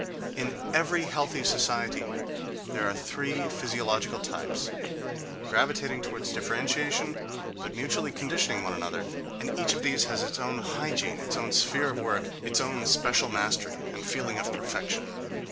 In every healthy society there are three physiological types, gravitating toward differentiation but mutually conditioning one another, and each of these has its own hygiene, its own sphere of work, its own special mastery and feeling of perfection.